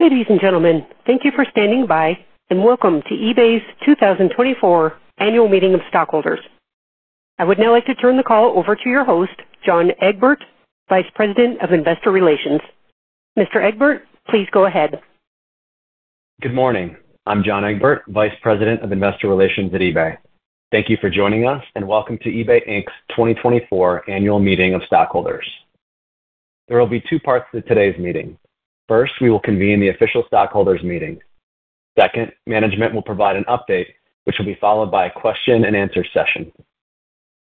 Ladies and gentlemen, thank you for standing by and welcome to eBay's 2024 Annual Meeting of Stockholders. I would now like to turn the call over to your host, John Egbert, Vice President of Investor Relations. Mr. Egbert, please go ahead. Good morning. I'm John Egbert, Vice President of Investor Relations at eBay. Thank you for joining us and welcome to eBay Inc.'s 2024 Annual Meeting of Stockholders. There will be two parts to today's meeting. First, we will convene the official Stockholders' Meeting. Second, management will provide an update, which will be followed by a Q&A session.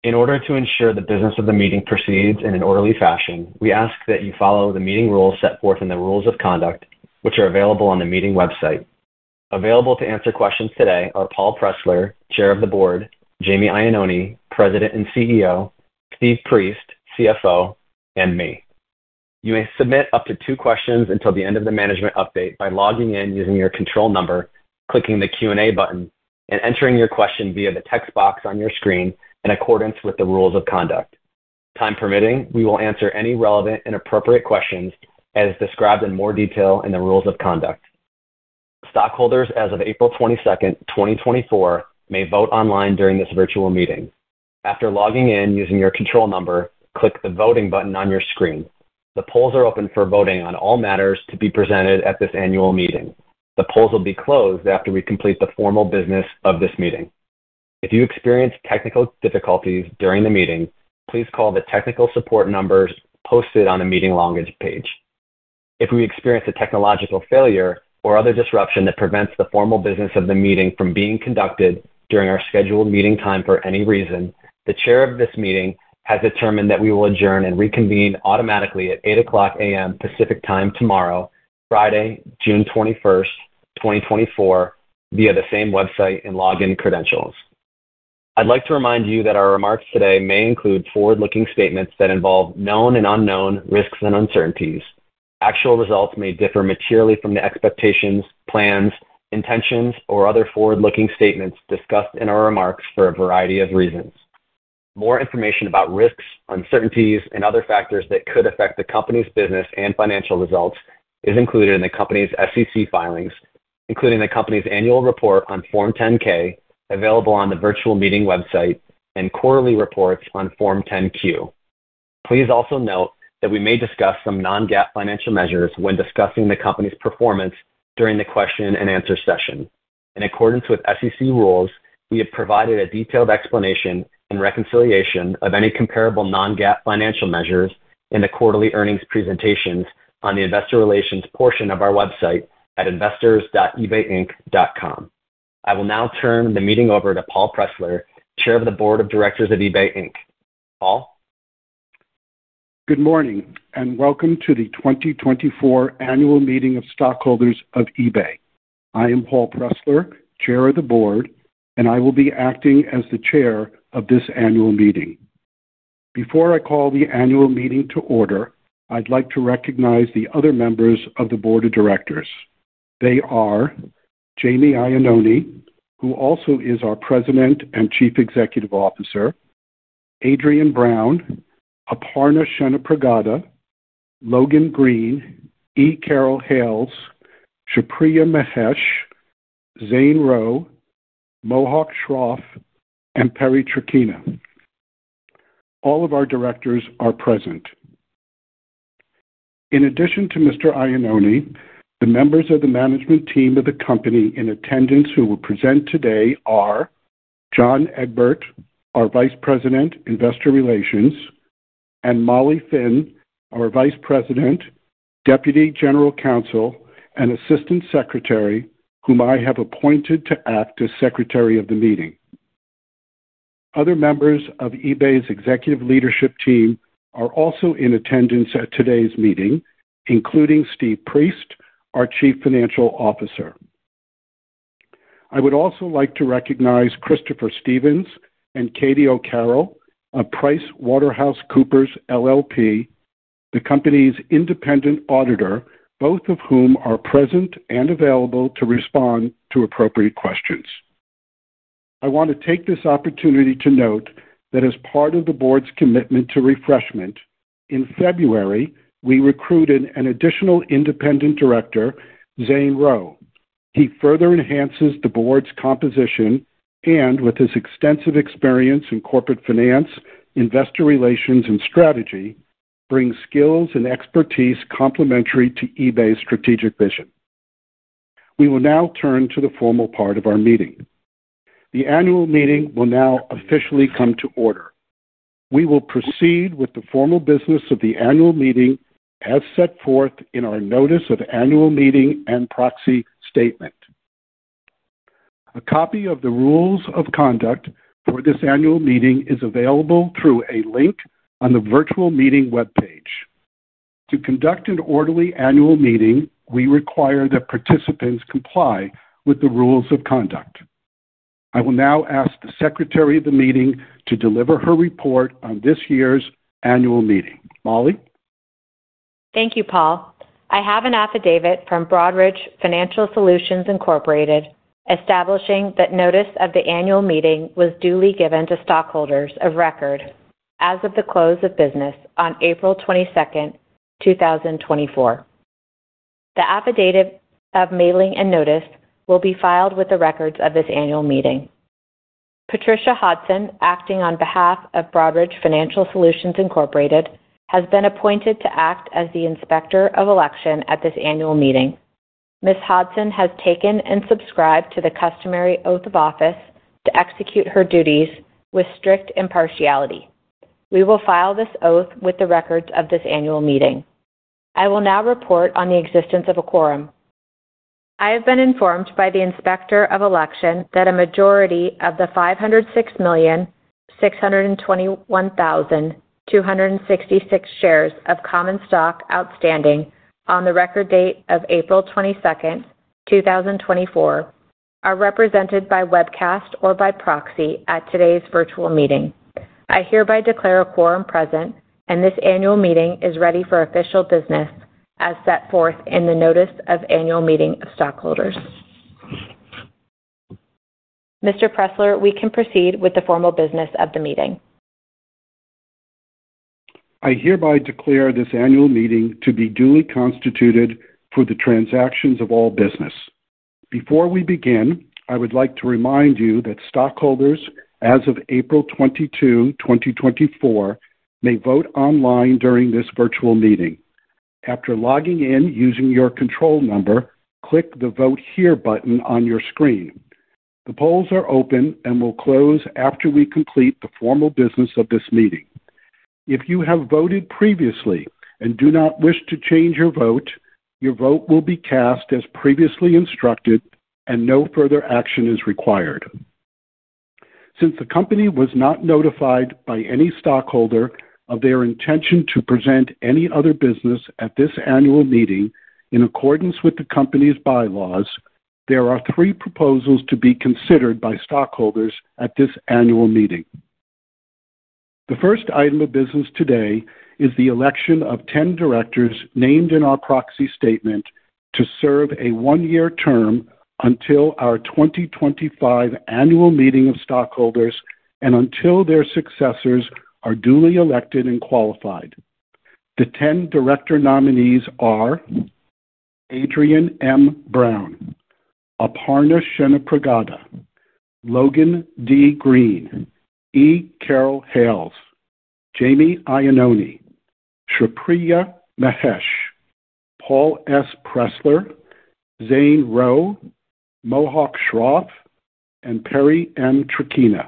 In order to ensure the business of the meeting proceeds in an orderly fashion, we ask that you follow the meeting rules set forth in the Rules of Conduct, which are available on the meeting website. Available to answer questions today are Paul Pressler, Chair of the Board, Jamie Iannone, President and CEO, Steve Priest, CFO, and me. You may submit up to 2 questions until the end of the management update by logging in using your control number, clicking the Q&A button, and entering your question via the text box on your screen in accordance with the Rules of Conduct. Time permitting, we will answer any relevant and appropriate questions as described in more detail in the Rules of Conduct. Stockholders, as of April 22nd, 2024, may vote online during this virtual meeting. After logging in using your control number, click the voting button on your screen. The polls are open for voting on all matters to be presented at this annual meeting. The polls will be closed after we complete the formal business of this meeting. If you experience technical difficulties during the meeting, please call the technical support numbers posted on the meeting login page. If we experience a technological failure or other disruption that prevents the formal business of the meeting from being conducted during our scheduled meeting time for any reason, the Chair of this meeting has determined that we will adjourn and reconvene automatically at 8:00 AM. Pacific Time tomorrow, Friday, June 21st, 2024, via the same website and login credentials. I'd like to remind you that our remarks today may include forward-looking statements that involve known and unknown risks and uncertainties. Actual results may differ materially from the expectations, plans, intentions, or other forward-looking statements discussed in our remarks for a variety of reasons. More information about risks, uncertainties, and other factors that could affect the company's business and financial results is included in the company's SEC filings, including the company's annual report on Form 10-K, available on the virtual meeting website, and quarterly reports on Form 10-Q. Please also note that we may discuss some non-GAAP financial measures when discussing the company's performance during the question-and-answer session. In accordance with SEC rules, we have provided a detailed explanation and reconciliation of any comparable non-GAAP financial measures in the quarterly earnings presentations on the Investor Relations portion of our website at investors.ebayinc.com. I will now turn the meeting over to Paul Pressler, Chair of the Board of Directors of eBay Inc. Paul? Good morning and welcome to the 2024 Annual Meeting of Stockholders of eBay. I am Paul S. Pressler, Chair of the Board, and I will be acting as the Chair of this annual meeting. Before I call the annual meeting to order, I'd like to recognize the other members of the Board of Directors. They are Jamie Iannone, who also is our President and Chief Executive Officer; Adriane M. Brown; Aparna Chennapragada; Logan D. Green; E. Carol Hayles; Shripriya Mahesh; Zane Rowe; Mohau J. Pheko; and Perry M. Traquina. All of our directors are present. In addition to Mr. Iannone, the members of the management team of the company in attendance who will present today are John Egbert, our Vice President, Investor Relations; and Molly Finn, our Vice President, Deputy General Counsel, and Assistant Secretary, whom I have appointed to act as Secretary of the Meeting. Other members of eBay's executive leadership team are also in attendance at today's meeting, including Steve Priest, our Chief Financial Officer. I would also like to recognize Christopher Stevens and Katie O’Carroll of PricewaterhouseCoopers LLP, the company's independent auditor, both of whom are present and available to respond to appropriate questions. I want to take this opportunity to note that as part of the Board's commitment to refreshment, in February, we recruited an additional independent director, Zane Roe. He further enhances the Board's composition and, with his extensive experience in corporate finance, investor relations, and strategy, brings skills and expertise complementary to eBay's strategic vision. We will now turn to the formal part of our meeting. The annual meeting will now officially come to order. We will proceed with the formal business of the annual meeting as set forth in our Notice of Annual Meeting and Proxy Statement. A copy of the Rules of Conduct for this annual meeting is available through a link on the virtual meeting webpage. To conduct an orderly annual meeting, we require that participants comply with the Rules of Conduct. I will now ask the Secretary of the Meeting to deliver her report on this year's annual meeting. Molly? Thank you, Paul. I have an affidavit from Broadridge Financial Solutions, Incorporated, establishing that notice of the annual meeting was duly given to stockholders of record as of the close of business on April 22nd, 2024. The affidavit of mailing and notice will be filed with the records of this annual meeting. Patricia Hodson, acting on behalf of Broadridge Financial Solutions, Incorporated, has been appointed to act as the Inspector of Election at this annual meeting. Ms. Hodson has taken and subscribed to the customary oath of office to execute her duties with strict impartiality. We will file this oath with the records of this annual meeting. I will now report on the existence of a quorum. I have been informed by the Inspector of Election that a majority of the 506,621,266 shares of common stock outstanding on the record date of April 22nd, 2024, are represented by webcast or by proxy at today's virtual meeting. I hereby declare a quorum present, and this annual meeting is ready for official business as set forth in the Notice of Annual Meeting of Stockholders. Mr. Pressler, we can proceed with the formal business of the meeting. I hereby declare this annual meeting to be duly constituted for the transactions of all business. Before we begin, I would like to remind you that stockholders, as of April 22, 2024, may vote online during this virtual meeting. After logging in using your control number, click the Vote Here button on your screen. The polls are open and will close after we complete the formal business of this meeting. If you have voted previously and do not wish to change your vote, your vote will be cast as previously instructed, and no further action is required. Since the company was not notified by any stockholder of their intention to present any other business at this annual meeting in accordance with the company's bylaws, there are three proposals to be considered by stockholders at this annual meeting. The first item of business today is the election of 10 directors named in our proxy statement to serve a one-year term until our 2025 Annual Meeting of Stockholders and until their successors are duly elected and qualified. The 10 director nominees are Adrian M. Brown, Aparna Chennapragada, Logan D. Green, M. Mohan-Schroff, Jamie Iannone, Shripriya Mahesh, Paul S. Pressler, Zane Roe, M. Mohan-Schroff, and Perry M. Traquina.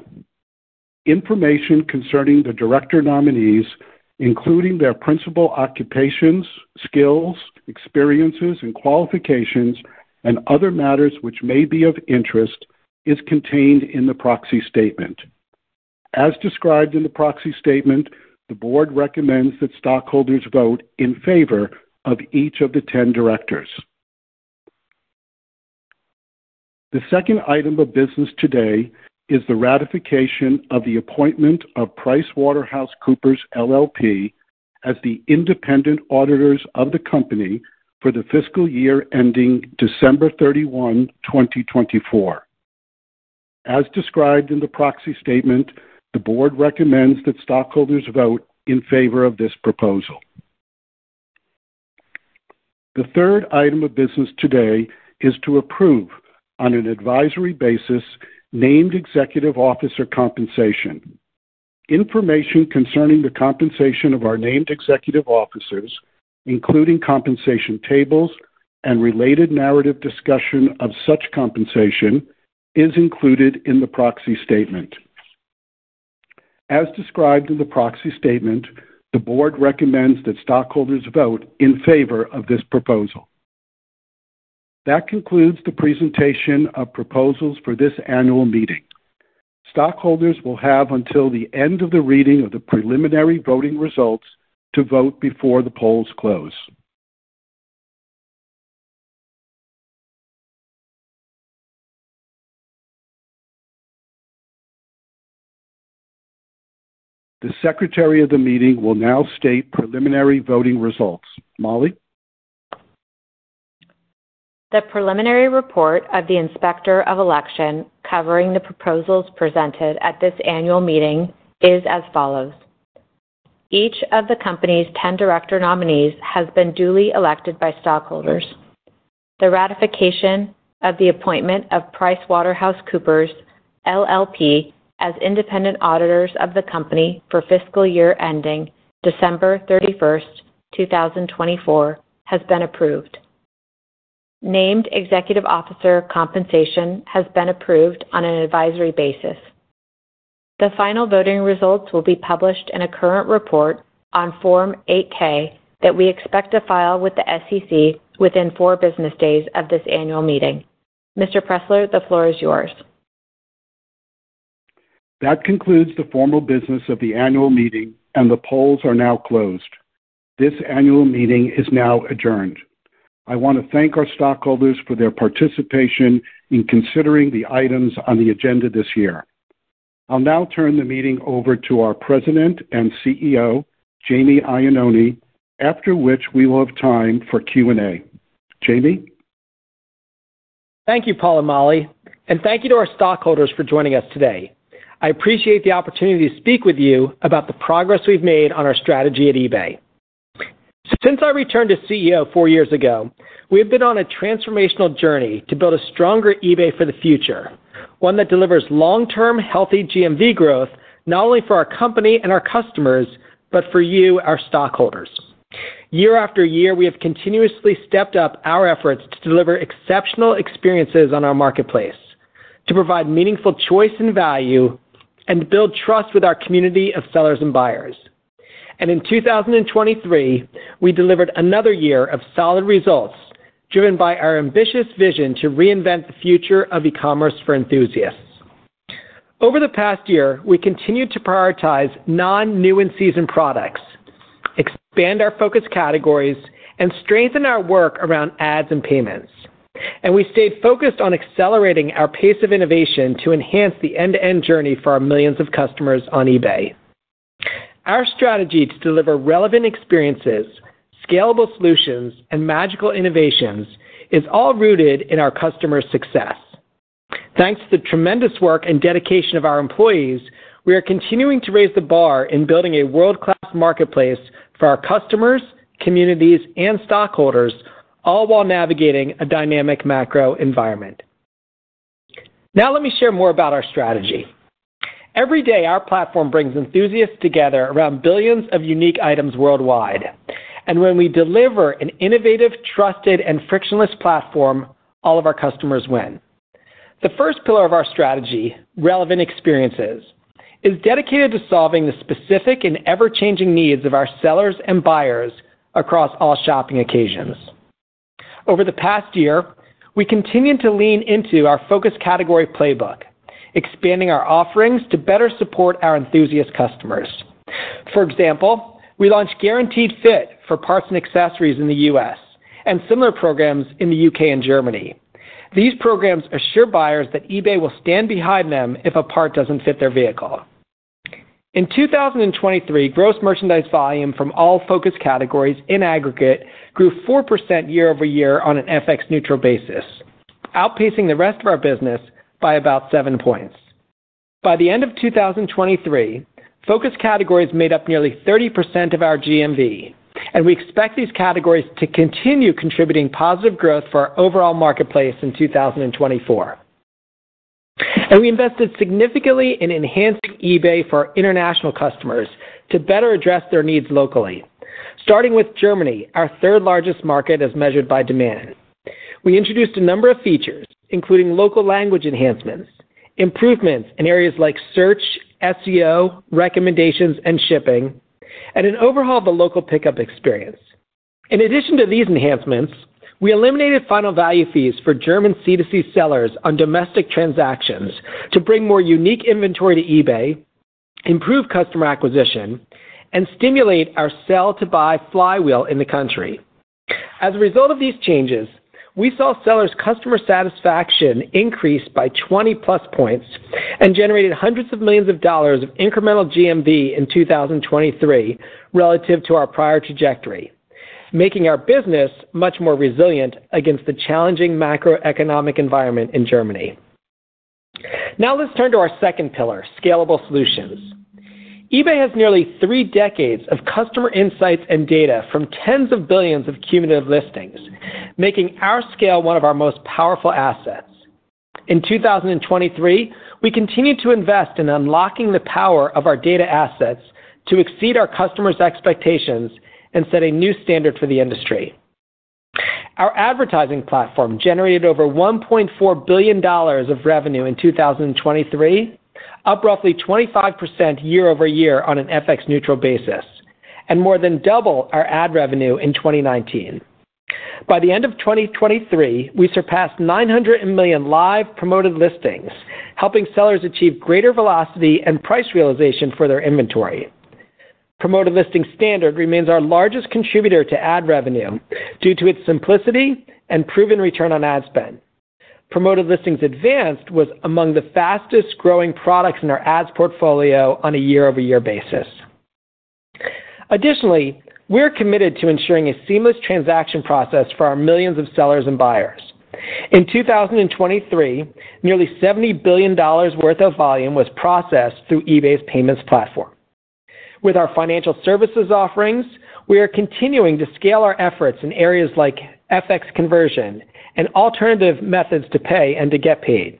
Information concerning the director nominees, including their principal occupations, skills, experiences, and qualifications, and other matters which may be of interest, is contained in the proxy statement. As described in the proxy statement, the Board recommends that stockholders vote in favor of each of the 10 directors. The second item of business today is the ratification of the appointment of PricewaterhouseCoopers LLP as the independent auditors of the company for the fiscal year ending December 31, 2024. As described in the proxy statement, the Board recommends that stockholders vote in favor of this proposal. The third item of business today is to approve, on an advisory basis, named executive officer compensation. Information concerning the compensation of our named executive officers, including compensation tables and related narrative discussion of such compensation, is included in the proxy statement. As described in the proxy statement, the Board recommends that stockholders vote in favor of this proposal. That concludes the presentation of proposals for this annual meeting. Stockholders will have until the end of the reading of the preliminary voting results to vote before the polls close. The Secretary of the Meeting will now state preliminary voting results. Molly? The preliminary report of the Inspector of Election covering the proposals presented at this annual meeting is as follows. Each of the company's 10 director nominees has been duly elected by stockholders. The ratification of the appointment of PricewaterhouseCoopers LLP as independent auditors of the company for fiscal year ending December 31st, 2024, has been approved. Named executive officer compensation has been approved on an advisory basis. The final voting results will be published in a current report on Form 8-K that we expect to file with the SEC within four business days of this annual meeting. Mr. Pressler, the floor is yours. That concludes the formal business of the annual meeting, and the polls are now closed. This annual meeting is now adjourned. I want to thank our stockholders for their participation in considering the items on the agenda this year. I'll now turn the meeting over to our President and CEO, Jamie Iannone, after which we will have time for Q&A. Jamie? Thank you, Paul and Molly, and thank you to our stockholders for joining us today. I appreciate the opportunity to speak with you about the progress we've made on our strategy at eBay. Since I returned as CEO four years ago, we have been on a transformational journey to build a stronger eBay for the future, one that delivers long-term, healthy GMV growth not only for our company and our customers, but for you, our stockholders. Year after year, we have continuously stepped up our efforts to deliver exceptional experiences on our marketplace, to provide meaningful choice and value, and to build trust with our community of sellers and buyers. In 2023, we delivered another year of solid results driven by our ambitious vision to reinvent the future of e-commerce for enthusiasts. Over the past year, we continued to prioritize non-new-in-season products, expand our focus categories, and strengthen our work around ads and payments. We stayed focused on accelerating our pace of innovation to enhance the end-to-end journey for our millions of customers on eBay. Our strategy to deliver relevant experiences, scalable solutions, and magical innovations is all rooted in our customers' success. Thanks to the tremendous work and dedication of our employees, we are continuing to raise the bar in building a world-class marketplace for our customers, communities, and stockholders, all while navigating a dynamic macro environment. Now let me share more about our strategy. Every day, our platform brings enthusiasts together around billions of unique items worldwide. When we deliver an innovative, trusted, and frictionless platform, all of our customers win. The first pillar of our strategy, relevant experiences, is dedicated to solving the specific and ever-changing needs of our sellers and buyers across all shopping occasions. Over the past year, we continued to lean into our focus category playbook, expanding our offerings to better support our enthusiast customers. For example, we launched Guaranteed Fit for parts and accessories in the U.S. and similar programs in the U.K. and Germany. These programs assure buyers that eBay will stand behind them if a part doesn't fit their vehicle. In 2023, gross merchandise volume from all focus categories in aggregate grew 4% year-over-year on an FX-neutral basis, outpacing the rest of our business by about 7 points. By the end of 2023, focus categories made up nearly 30% of our GMV, and we expect these categories to continue contributing positive growth for our overall marketplace in 2024. We invested significantly in enhancing eBay for our international customers to better address their needs locally, starting with Germany, our third-largest market as measured by demand. We introduced a number of features, including local language enhancements, improvements in areas like search, SEO, recommendations, and shipping, and an overhaul of the local pickup experience. In addition to these enhancements, we eliminated final value fees for German C2C sellers on domestic transactions to bring more unique inventory to eBay, improve customer acquisition, and stimulate our sell-to-buy flywheel in the country. As a result of these changes, we saw sellers' customer satisfaction increase by 20+ points and generated hundreds of millions of dollars incremental GMV in 2023 relative to our prior trajectory, making our business much more resilient against the challenging macroeconomic environment in Germany. Now let's turn to our second pillar, scalable solutions. eBay has nearly three decades of customer insights and data from tens of billions of cumulative listings, making our scale one of our most powerful assets. In 2023, we continued to invest in unlocking the power of our data assets to exceed our customers' expectations and set a new standard for the industry. Our advertising platform generated over $1.4 billion of revenue in 2023, up roughly 25% year-over-year on an FX-neutral basis, and more than double our ad revenue in 2019. By the end of 2023, we surpassed 900 million live promoted listings, helping sellers achieve greater velocity and price realization for their inventory. Promoted Listings Standard remains our largest contributor to ad revenue due to its simplicity and proven return on ad spend. Promoted Listings Advanced was among the fastest-growing products in our ads portfolio on a year-over-year basis. Additionally, we're committed to ensuring a seamless transaction process for our millions of sellers and buyers. In 2023, nearly $70 billion worth of volume was processed through eBay's payments platform. With our financial services offerings, we are continuing to scale our efforts in areas like FX conversion and alternative methods to pay and to get paid.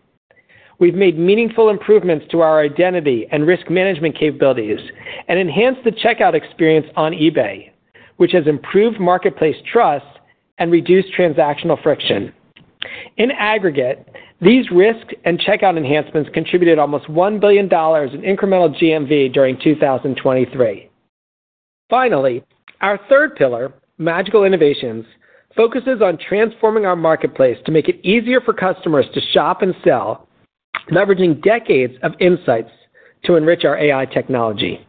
We've made meaningful improvements to our identity and risk management capabilities and enhanced the checkout experience on eBay, which has improved marketplace trust and reduced transactional friction. In aggregate, these risk and checkout enhancements contributed almost $1 billion in incremental GMV during 2023. Finally, our third pillar, magical innovations, focuses on transforming our marketplace to make it easier for customers to shop and sell, leveraging decades of insights to enrich our AI technology.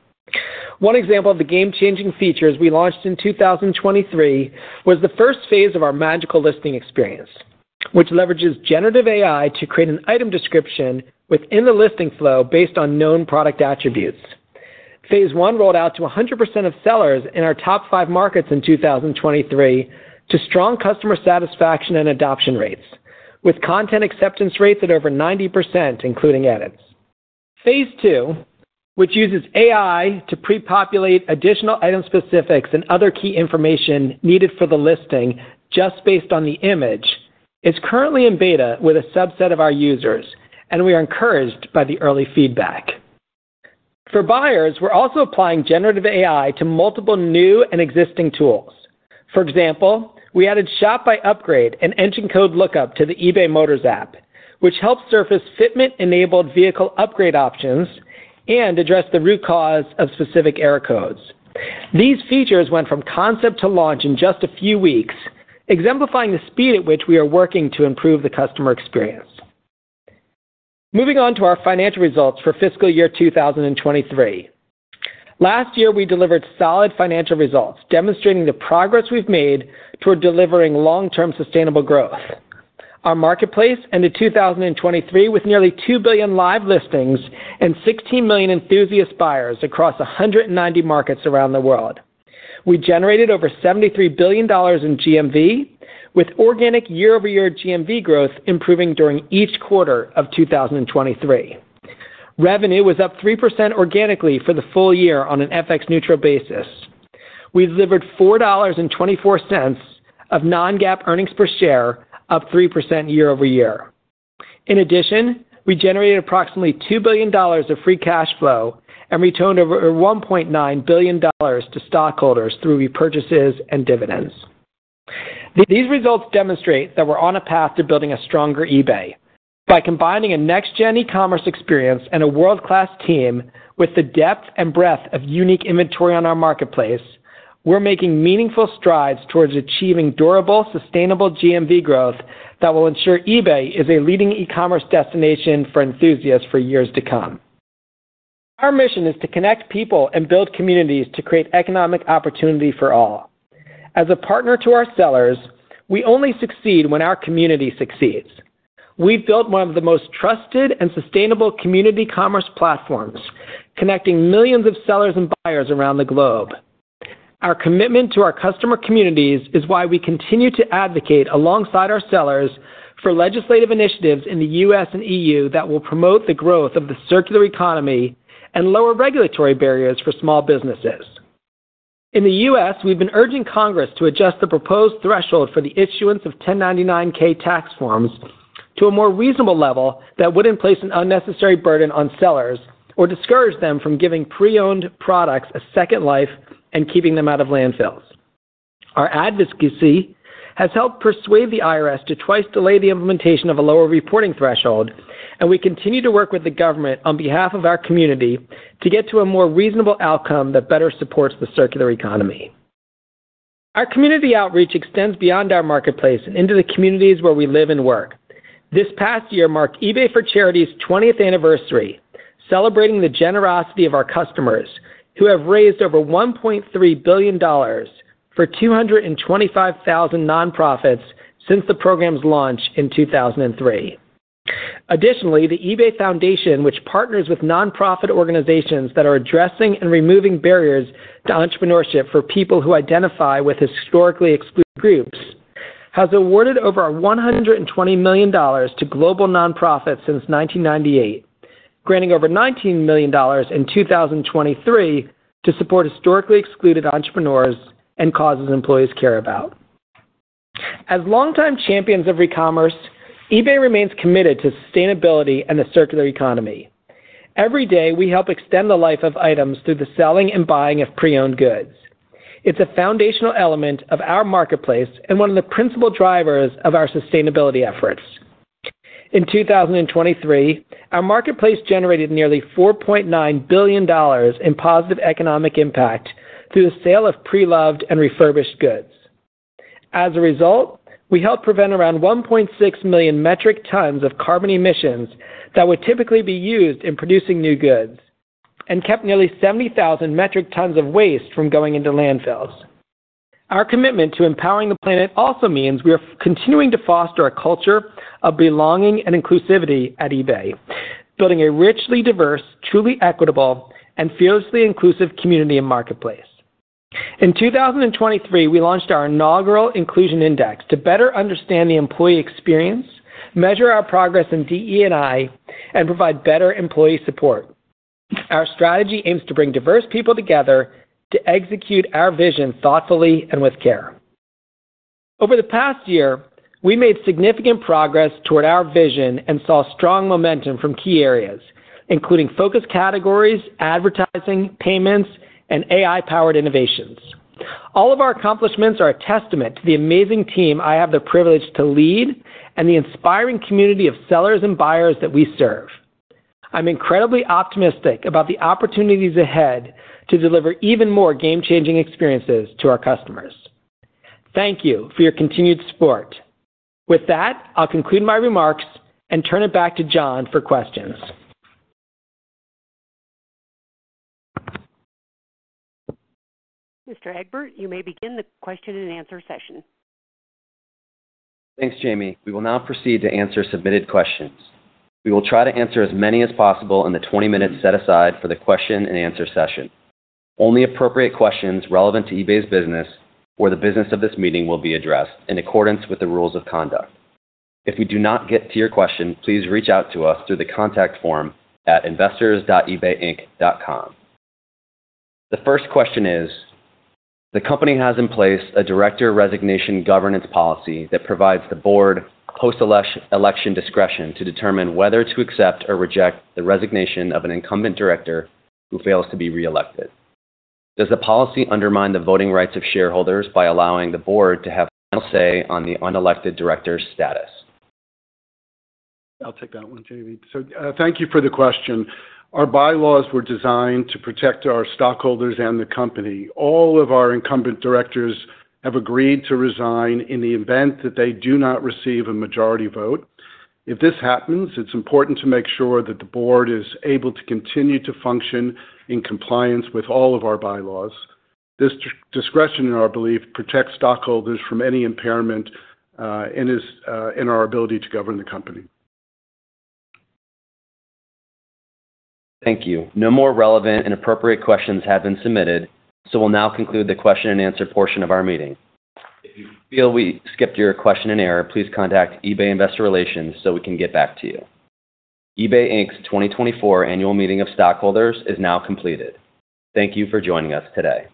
One example of the game-changing features we launched in 2023 was the first phase of our Magical Listing experience, which leverages Generative AI to create an item description within the listing flow based on known product attributes. Phase one rolled out to 100% of sellers in our top five markets in 2023 to strong customer satisfaction and adoption rates, with content acceptance rates at over 90%, including edits. Phase II, which uses AI to pre-populate additional item specifics and other key information needed for the listing just based on the image, is currently in beta with a subset of our users, and we are encouraged by the early feedback. For buyers, we're also applying Generative AI to multiple new and existing tools. For example, we added Shop by Upgrade and Engine Code Lookup to the eBay Motors app, which helps surface fitment-enabled vehicle upgrade options and address the root cause of specific error codes. These features went from concept to launch in just a few weeks, exemplifying the speed at which we are working to improve the customer experience. Moving on to our financial results for fiscal year 2023. Last year, we delivered solid financial results demonstrating the progress we've made toward delivering long-term sustainable growth. Our marketplace ended 2023 with nearly 2 billion live listings and 16 million enthusiast buyers across 190 markets around the world. We generated over $73 billion in GMV, with organic year-over-year GMV growth improving during each quarter of 2023. Revenue was up 3% organically for the full year on an FX-neutral basis. We delivered $4.24 of non-GAAP earnings per share, up 3% year-over-year. In addition, we generated approximately $2 billion of free cash flow and returned over $1.9 billion to stockholders through repurchases and dividends. These results demonstrate that we're on a path to building a stronger eBay. By combining a next-gen e-commerce experience and a world-class team with the depth and breadth of unique inventory on our marketplace, we're making meaningful strides towards achieving durable, sustainable GMV growth that will ensure eBay is a leading e-commerce destination for enthusiasts for years to come. Our mission is to connect people and build communities to create economic opportunity for all. As a partner to our sellers, we only succeed when our community succeeds. We've built one of the most trusted and sustainable community commerce platforms, connecting millions of sellers and buyers around the globe. Our commitment to our customer communities is why we continue to advocate alongside our sellers for legislative initiatives in the U.S. and E.U. that will promote the growth of the circular economy and lower regulatory barriers for small businesses. In the U.S., we've been urging Congress to adjust the proposed threshold for the issuance of 1099-K tax forms to a more reasonable level that wouldn't place an unnecessary burden on sellers or discourage them from giving pre-owned products a second life and keeping them out of landfills. Our advocacy has helped persuade the IRS to twice delay the implementation of a lower reporting threshold, and we continue to work with the government on behalf of our community to get to a more reasonable outcome that better supports the circular economy. Our community outreach extends beyond our marketplace and into the communities where we live and work. This past year marked eBay for Charity's 20th anniversary, celebrating the generosity of our customers who have raised over $1.3 billion for 225,000 nonprofits since the program's launch in 2003. Additionally, the eBay Foundation, which partners with nonprofit organizations that are addressing and removing barriers to entrepreneurship for people who identify with historically excluded groups, has awarded over $120 million to global nonprofits since 1998, granting over $19 million in 2023 to support historically excluded entrepreneurs and causes employees care about. As longtime champions of e-commerce, eBay remains committed to sustainability and the circular economy. Every day, we help extend the life of items through the selling and buying of pre-owned goods. It's a foundational element of our marketplace and one of the principal drivers of our sustainability efforts. In 2023, our marketplace generated nearly $4.9 billion in positive economic impact through the sale of pre-loved and refurbished goods. As a result, we helped prevent around 1.6 million metric tons of carbon emissions that would typically be used in producing new goods and kept nearly 70,000 metric tons of waste from going into landfills. Our commitment to empowering the planet also means we are continuing to foster a culture of belonging and inclusivity at eBay, building a richly diverse, truly equitable, and fiercely inclusive community and marketplace. In 2023, we launched our inaugural Inclusion Index to better understand the employee experience, measure our progress in DE&I, and provide better employee support. Our strategy aims to bring diverse people together to execute our vision thoughtfully and with care. Over the past year, we made significant progress toward our vision and saw strong momentum from key areas, including focus categories, advertising, payments, and AI-powered innovations. All of our accomplishments are a testament to the amazing team I have the privilege to lead and the inspiring community of sellers and buyers that we serve. I'm incredibly optimistic about the opportunities ahead to deliver even more game-changing experiences to our customers. Thank you for your continued support. With that, I'll conclude my remarks and turn it back to John for questions. Mr. Egbert, you may begin the Q&A session. Thanks, Jamie. We will now proceed to answer submitted questions. We will try to answer as many as possible in the 20 minutes set aside for the Q&A session. Only appropriate questions relevant to eBay's business or the business of this meeting will be addressed in accordance with the rules of conduct. If we do not get to your question, please reach out to us through the contact form at investors.ebayinc.com. The first question is, the company has in place a director resignation governance policy that provides the board post-election discretion to determine whether to accept or reject the resignation of an incumbent director who fails to be re-elected. Does the policy undermine the voting rights of shareholders by allowing the board to have final say on the unelected director's status? I'll take that one, Jamie. Thank you for the question. Our bylaws were designed to protect our stockholders and the company. All of our incumbent directors have agreed to resign in the event that they do not receive a majority vote. If this happens, it's important to make sure that the board is able to continue to function in compliance with all of our bylaws. This discretion, in our belief, protects stockholders from any impairment in our ability to govern the company. Thank you. No more relevant and appropriate questions have been submitted, so we'll now conclude the question and answer portion of our meeting. If you feel we skipped your question and error, please contact eBay Investor Relations so we can get back to you. eBay Inc.'s 2024 Annual Meeting of Stockholders is now completed. Thank you for joining us today.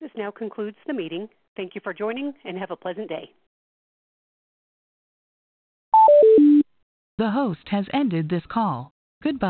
This now concludes the meeting. Thank you for joining and have a pleasant day. The host has ended this call. Goodbye.